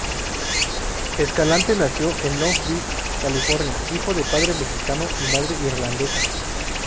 Escalante nació en Long Beach, California, hijo de padre mexicano y madre irlandesa.